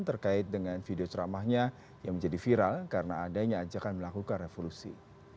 terkait dengan video ceramahnya yang menjadi viral karena adanya ajakan melakukan revolusi